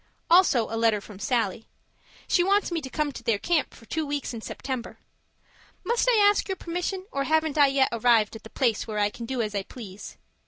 Also a letter from Sallie. She wants me to come to their camp for two weeks in September. Must I ask your permission, or haven't I yet arrived at the place where I can do as I please?